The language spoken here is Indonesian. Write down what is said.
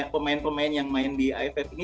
pemain pemain yang main di iff ini